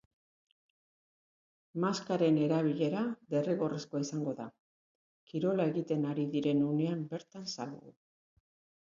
Maskaren erabilera derrigorrezkoa izango da, kirola egiten ari diren unean bertan salbu.